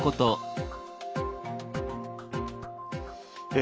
え